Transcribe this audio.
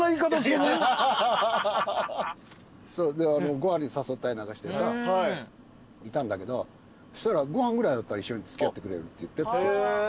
ご飯に誘ったりなんかしてさいたんだけどそしたらご飯ぐらいだったら一緒に付き合ってくれるって。